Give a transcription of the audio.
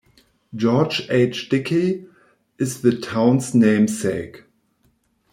George H. Dickey is the town's namesake.